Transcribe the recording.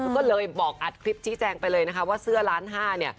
ก็เลยบอกอัดคลิปชี้แจงไปเลยนะคะว่าเสื้อล้านห้าเนี่ย